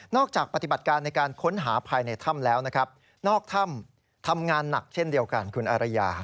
จากปฏิบัติการในการค้นหาภายในถ้ำแล้วนะครับนอกถ้ำทำงานหนักเช่นเดียวกันคุณอารยา